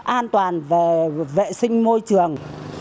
an toàn về vệ sinh môi trường